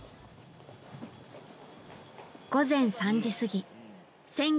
午前３時過ぎ鮮魚